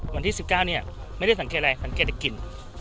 วันที่๑๙เนี่ยไม่ได้สังเกตอะไรสังเกตแต่กลิ่น